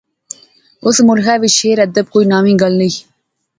اس ملخے وچ شعر ادب کوئی ناوی گل نئیں